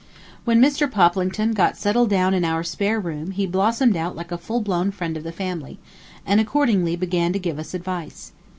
When Mr. Poplington got settled down in our spare room he blossomed out like a full blown friend of the family, and accordingly began to give us advice.